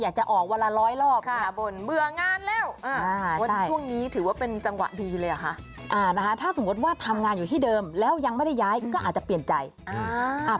อยากจะออกวันละร้อยรอบ